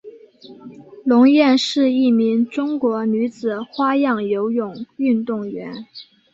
龙艳是一名中国女子花样游泳运动员。